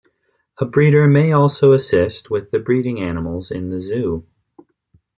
A breeder may also assist with the breeding animals in the zoo.